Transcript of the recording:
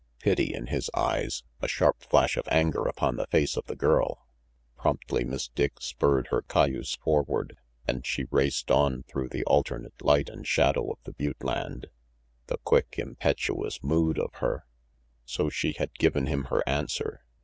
Pity in his eyes a sharp flash of anger upon the face of the girl. Promptly Miss Dick spurred her cayuse forward, and she raced on through the alternate light and shadow of the butte land. The quick, impetuous mood of her! So she had given him her answer.